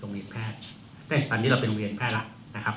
โรงเรียนแพทย์ไม่ตอนนี้เราเป็นโรงเรียนแพทย์แล้ว